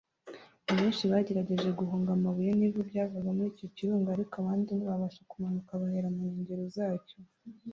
Abenshi bagerageje guhunga amabuye n’ivu byavaga muri icyo kirunga ariko abandi ntibabasha kumanuka bahera mu nkengero zacyo